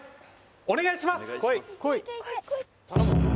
お願いします